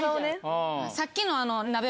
さっきの。